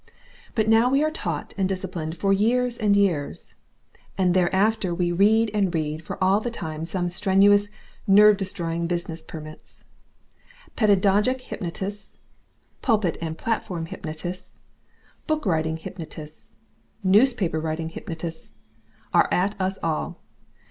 But now we are taught and disciplined for years and years, and thereafter we read and read for all the time some strenuous, nerve destroying business permits. Pedagogic hypnotists, pulpit and platform hypnotists, book writing hypnotists, newspaper writing hypnotists, are at us all.